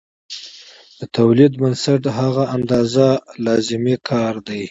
د تولید بنسټ هغه اندازه لازمي کار دی